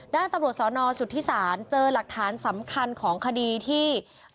ด้านตำรวจสนสุธิศาลเจอหลักฐานสำคัญของคดีที่